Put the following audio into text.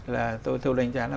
là tôi đánh giá là